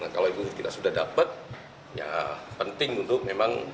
kalau itu kita sudah dapat ya penting untuk memang